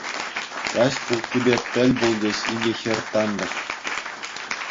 Каҫ пулттипе тӗл пулчӗҫ икӗ хӗр тантӑш.